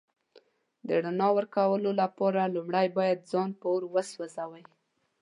د رڼا ورکولو لپاره لومړی باید ځان په اور وسوځوئ.